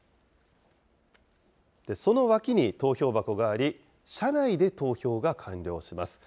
その脇に投票箱があり、車内で投票が完了します。